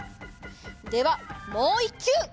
ではもういっきゅう！